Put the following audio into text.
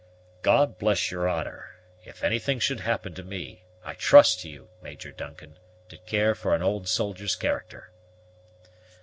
"God bless your honor! If anything should happen to me, I trust to you, Major Duncan, to care for an old soldier's character."